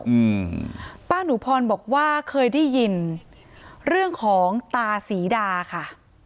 อืมป้าหนูพรบอกว่าเคยได้ยินเรื่องของตาศรีดาค่ะ